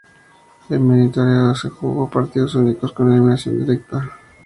El minitorneo se jugó a partidos únicos con eliminación directa y en cancha neutral.